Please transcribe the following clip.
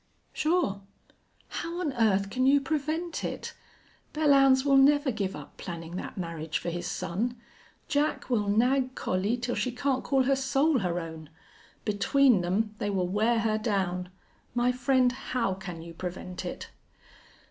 "Sure." "How on earth can you prevent it? Belllounds will never give up planning that marriage for his son. Jack will nag Collie till she can't call her soul her own. Between them they will wear her down. My friend, how can you prevent it?"